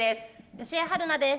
吉江晴菜です。